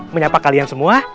menyapa kalian semua